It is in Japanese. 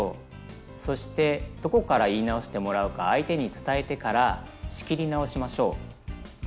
そしてどこから言いなおしてもらうか相手に伝えてから仕切りなおしましょう。